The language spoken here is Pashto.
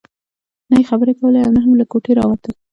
نه يې خبرې کولې او نه هم له کوټې راوته.